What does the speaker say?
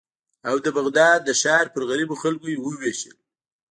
او د بغداد د ښار پر غریبو خلکو یې ووېشل.